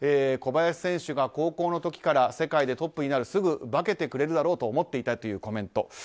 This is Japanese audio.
小林選手が高校の時から世界でトップになるすぐ化けてくれるだろうと思っていたというコメント。